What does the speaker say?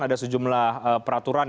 ada sejumlah peraturan